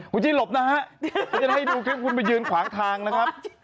กูจะให้ดูคลิปคุณไปยืนขวางทางนะครับ